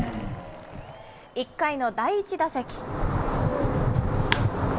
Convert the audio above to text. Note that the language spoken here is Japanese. １回の第１打席。